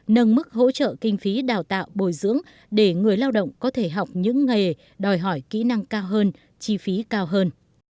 nâng mức hỗ trợ kinh phí đào tạo bồi dưỡng để người lao động có thể học những nghề đòi hỏi kỹ năng cao hơn chi phí cao hơn